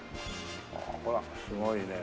ほらすごいねえ。